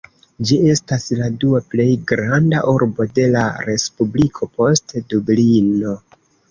Ĝi estas la dua plej granda urbo de la respubliko, post Dublino.